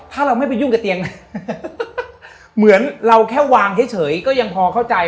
ถ้าเราไม่ไปยุ่งกับเตียงนะเหมือนเราแค่วางเฉยก็ยังพอเข้าใจ